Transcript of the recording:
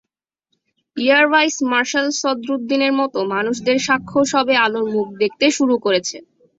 Air vice marshal সদরুদ্দীনের মতো মানুষদের সাক্ষ্য সবে আলোর মুখ দেখতে শুরু করেছে।